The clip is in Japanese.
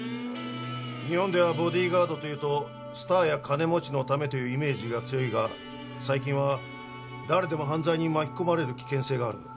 日本ではボディーガードというとスターや金持ちのためというイメージが強いが最近は誰でも犯罪に巻き込まれる危険性がある。